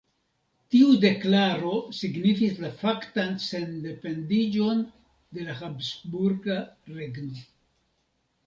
Tiu deklaro signifis la faktan sendependiĝon de la habsburga regno.